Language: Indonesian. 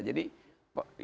jadi itu juga kesalahan